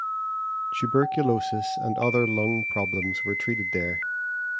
Tuberculosis and other lung problems were treated there.